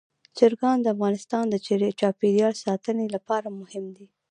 چرګان د افغانستان د چاپیریال ساتنې لپاره مهم دي.